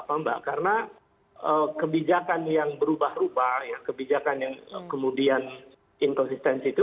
apa mbak karena kebijakan yang berubah ubah ya kebijakan yang kemudian inkonsistensi itu